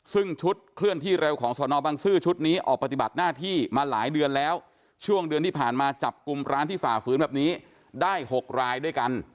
ซึ่งชุดเคลื่อนที่เร็วของสนบังซื้อชุดนี้ออกปฏิบัติหน้าที่มาหลายเดือนแล้วช่วงเดือนที่ผ่านมาจับกลุ่มร้านที่ฝ่าฝืนแบบนี้ได้๖รายด้วยกัน